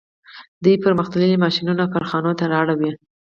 دوی پرمختللي ماشینونه کارخانو ته راوړي